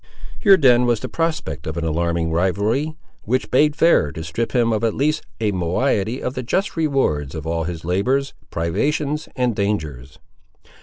Here, then, was the prospect of an alarming rivalry, which bade fair to strip him of at least a moiety of the just rewards of all his labours, privations, and dangers.